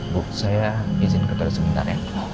bu saya izin ke tersebut nanti